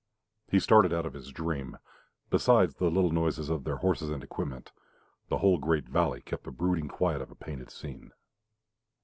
He started out of his dream. Besides the little noises of their horses and equipment, the whole great valley kept the brooding quiet of a painted scene.